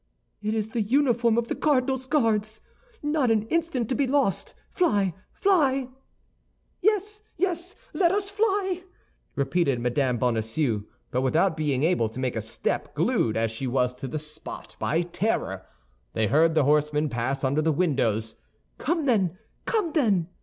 "It is the uniform of the cardinal's Guards. Not an instant to be lost! Fly, fly!" "Yes, yes, let us fly!" repeated Mme. Bonacieux, but without being able to make a step, glued as she was to the spot by terror. They heard the horsemen pass under the windows. "Come, then, come, then!"